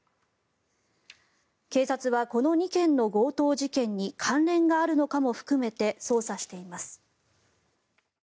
警察はこの２件の強盗事件に関連があるのかも含めて捜査しています。